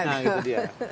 nah itu dia